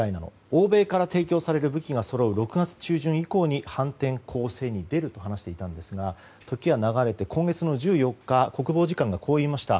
欧米から提供される武器がそろう６月中旬以降に反転攻勢に出ると話していたんですが時は流れて今月の１４日国防次官がこう言いました。